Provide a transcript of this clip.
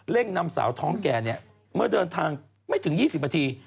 นำสาวท้องแก่เมื่อเดินทางไม่ถึง๒๐นาที